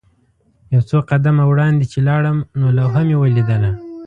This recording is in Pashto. یو څو قدمه وړاندې چې لاړم نو لوحه مې ولیدله.